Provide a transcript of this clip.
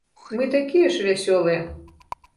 Мы такія ж вясёлыя.